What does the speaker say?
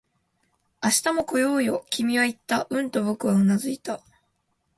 「明日も来ようよ」、君は言った。うんと僕はうなずいた